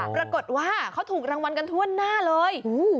ปรากฏว่าเขาถูกรางวัลกันทั่วหน้าเลย